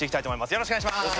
よろしくお願いします。